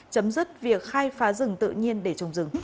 chấm dứt việc khai phá rừng tự nhiên để trồng rừng